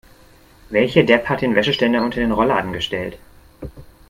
Welcher Depp hat den Wäscheständer unter den Rollladen gestellt?